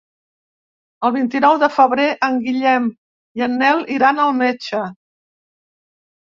El vint-i-nou de febrer en Guillem i en Nel iran al metge.